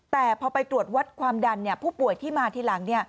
แต่พอไปตรวจวัดความดันผู้ป่วยที่มาทีหลัง